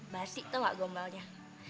basik tuh enggak gombalnya